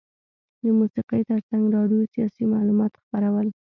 د موسیقي ترڅنګ راډیو سیاسي معلومات خپرول.